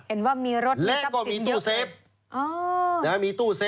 เห็นว่ามีรถมีกับสิ่งเดียวกันเองอ๋ออันนี้หรือเปล่าคะแล้วก็มีตู้เซฟ